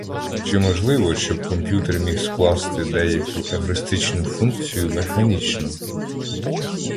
Чи можливо, щоб комп'ютер міг скласти деяку евристичну функцію механічно?